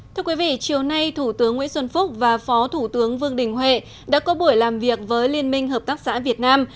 thưa quý vị chiều nay thủ tướng nguyễn xuân phúc và phó thủ tướng vương đình huệ đã có buổi làm việc với liên minh hợp tác xã việt nam